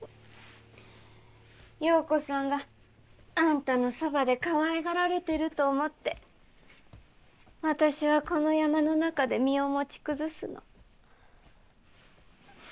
葉子さんがあんたのそばでかわいがられてると思って私はこの山の中で身を持ち崩すの。